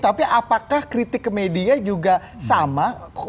tapi apakah kritik ke media juga sama